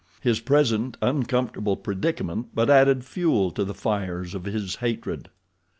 His present uncomfortable predicament but added fuel to the fires of his hatred.